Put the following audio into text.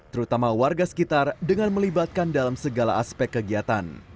terutama warga sekitar dengan melibatkan dalam segala aspek kegiatan